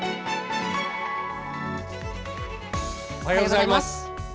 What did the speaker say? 「おはようございます」。